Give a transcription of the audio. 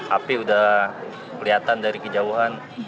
api sudah kelihatan dari kejauhan